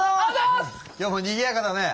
今日もにぎやかだね。